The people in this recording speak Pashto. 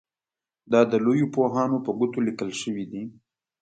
دا د لویو پوهانو په ګوتو لیکل شوي دي.